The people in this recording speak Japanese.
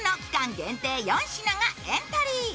限定４品がエントリー。